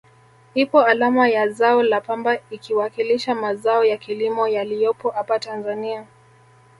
Ipo alama ya zao la pamba ikiwakilisha mazao ya kilimo yaliyopo apa Tanzania